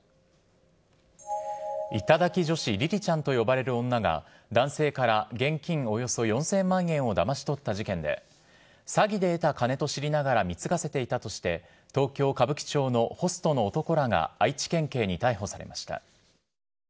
頂き女子りりちゃんと呼ばれる女が、男性から現金およそ４０００万円をだまし取った事件で、詐欺で得た金と知りながら貢がせていたとして、東京・歌舞伎町のホストの男らが愛知県警に逮捕されました。